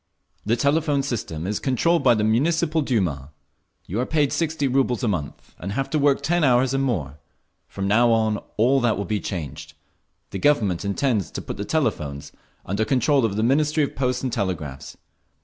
"The telephone system is controlled by the Municipal Duma. You are paid sixty rubles a month, and have to work ten hours and more…. From now on all that will be changed. The Government intends to put the telephones under control of the Ministry of Posts and Telegraphs.